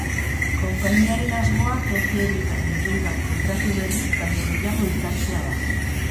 Konpainiaren asmoa toki horietan milioi bat kontratu berri baino gehiago hitzartzea da.